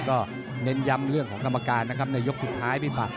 ก็เต้นยำเรื่องของกรรมการวันนี้